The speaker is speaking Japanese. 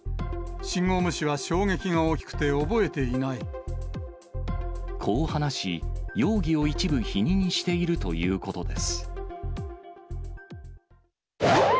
信号無視は衝撃が大きくて、こう話し、容疑を一部否認しているということです。